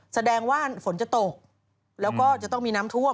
แสดงว่าฝนจะตกแล้วก็จะต้องมีน้ำท่วม